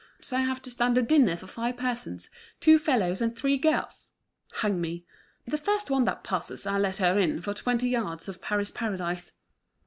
So I have to stand a dinner for five persons, two fellows and three girls. Hang me! the first one that passes I'll let her in for twenty yards of Paris Paradise!"